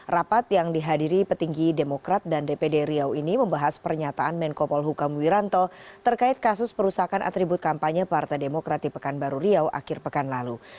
rapat yang dihadiri petinggi demokrat dan dpd riau ini membahas pernyataan menko polhukam wiranto terkait kasus perusahaan atribut kampanye partai demokrat di pekanbaru riau akhir pekan lalu